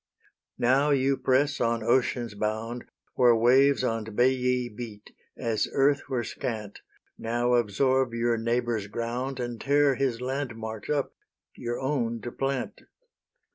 Now you press on ocean's bound, Where waves on Baiae beat, as earth were scant; Now absorb your neighbour's ground, And tear his landmarks up, your own to plant.